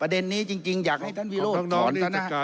ประเด็นนี้จริงอยากให้ท่านวิโรธถอนนะครับ